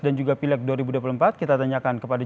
dan juga pilek dua ribu dua puluh empat kita tanyakan kepada